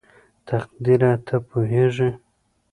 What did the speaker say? تقديره ته پوهېږې??